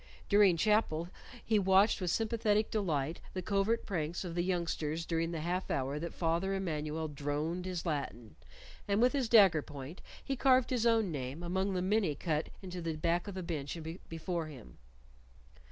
During chapel he watched with sympathetic delight the covert pranks of the youngsters during the half hour that Father Emmanuel droned his Latin, and with his dagger point he carved his own name among the many cut deep into the back of the bench before him.